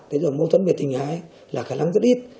thế rồi mâu thuẫn về tình hại là khả năng rất ít